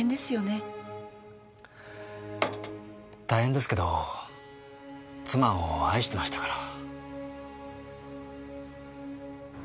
大変ですけど妻を愛してましたから。